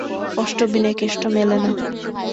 কষ্ট বিনে কেষ্ট মেলে না।